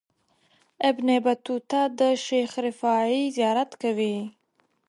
ابن بطوطه د شیخ رفاعي زیارت کوي.